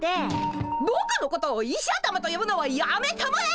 ぼくのことを石頭とよぶのはやめたまえ！